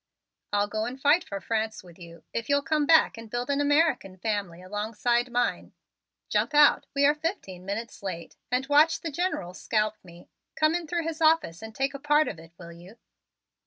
"I'll go and fight for France with you if you'll come back and build an American family alongside of mine. Jump out we are fifteen minutes late and watch the General scalp me. Come in through his office and take a part of it, will you?"